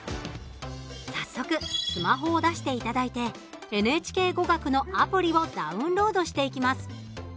早速、スマホを出していただいて「ＮＨＫゴガク」のアプリをダウンロードしていきます。